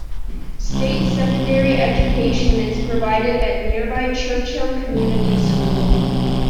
State secondary education is provided at nearby Churchill Community School.